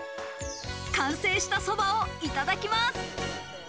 完成したそばをいただきます。